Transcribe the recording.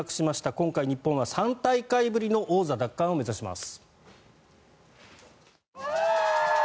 今回、日本は３大会ぶりの王座奪還を目指します。